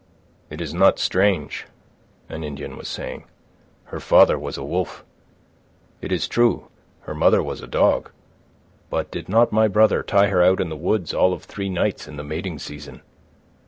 "It is not strange," an Indian was saying. "Her father was a wolf. It is true, her mother was a dog; but did not my brother tie her out in the woods all of three nights in the mating season?